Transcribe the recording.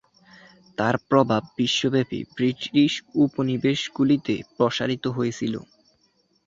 তার প্রভাব বিশ্বব্যাপী ব্রিটিশ উপনিবেশগুলিতে প্রসারিত হয়েছিল।